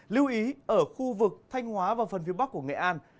lưu ý ở khu vực thanh hóa và phần phía bắc của nghệ an